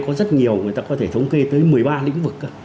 có rất nhiều người ta có thể thống kê tới một mươi ba lĩnh vực